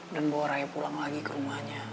dan bawa raya pulang lagi ke rumahnya